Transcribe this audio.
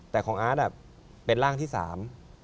แต่ของอาร์ตอ่ะเป็นร่างที่สาม